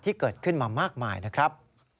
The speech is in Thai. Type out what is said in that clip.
ที่เกิดขึ้นมามากมายนะครับ